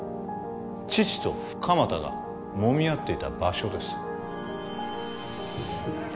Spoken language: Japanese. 父と鎌田がもみ合っていた場所です